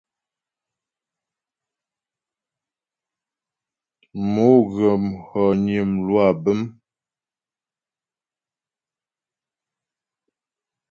Mo ghə̀ hɔgnə lwâ bə̀m.